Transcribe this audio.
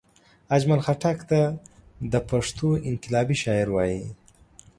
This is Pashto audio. اجمل خټګ ته دا پښتو انقلابي شاعر وايي